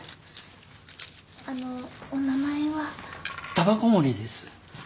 煙草森です。